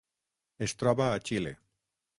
Es troba a Xile.